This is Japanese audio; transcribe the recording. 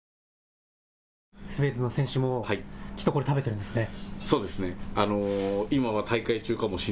スウェーデンの選手もきっとこれ、食べているんですね。